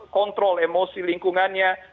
kontrol emosi lingkungannya